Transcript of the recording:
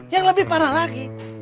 yang lebih parah lagi